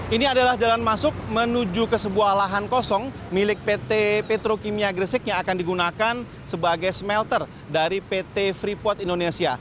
ini adalah jalan masuk menuju ke sebuah lahan kosong milik pt petrokimia gresik yang akan digunakan sebagai smelter dari pt freeport indonesia